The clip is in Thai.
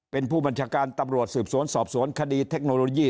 เป็นผู้บัญชาการตำรวจสืบสวนสอบสวนคดีเทคโนโลยี